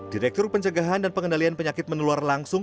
direktur pencegahan dan pengendalian penyakit menular langsung